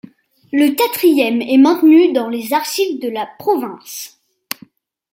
Le quatrième est maintenu dans les archives de la province.